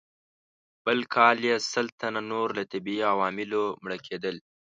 بل کال یې سل تنه نور له طبیعي عواملو مړه کېدل.